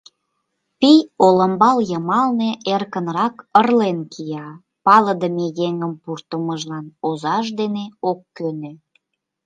Пий олымбал йымалне эркынрак ырлен кия, палыдыме еҥым пуртымыжлан озаж дене ок кӧнӧ...